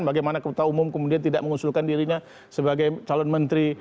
bagaimana ketua umum kemudian tidak mengusulkan dirinya sebagai calon menteri